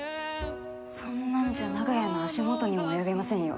そんなんじゃ長屋の足元にも及びませんよ。